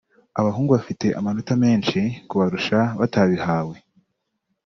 abahungu bafite amanota menshi kubarusha batabihawe